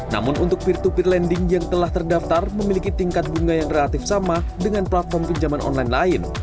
namun untuk peer to peer lending yang telah terdaftar memiliki tingkat bunga yang relatif sama dengan platform pinjaman online lain